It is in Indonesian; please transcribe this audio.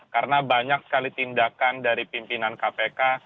karena banyak sekali tindakan dari pimpinan kpk